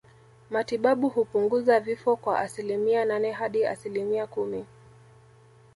Matibabu hupunguza vifo kwa asilimia nane hadi asilimia kumi